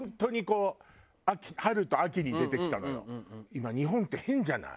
今日本って変じゃない。